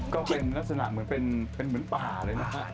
ก็เป็นลักษณะเหมือนป่าเลยนะ